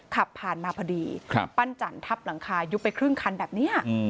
ขับผ่านมาพอดีปั้นจันทับหลังคายุบไปครึ่งคันแบบนี้